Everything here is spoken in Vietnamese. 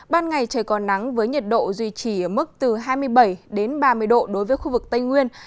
ban ngày trời còn nắng với nhiệt độ duy trì ở mức từ hai mươi bảy đến ba mươi độ đối với khu vực tây nguyên